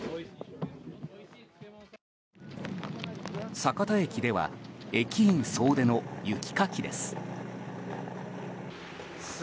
酒田駅では駅員総出の雪かきです。